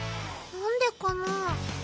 なんでかなぁ。